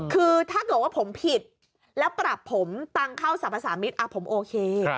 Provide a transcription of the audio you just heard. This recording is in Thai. คือถ้าเกิดว่าผมผิดแล้วปรับผมตังค์เข้าสรรพสามิตรผมโอเค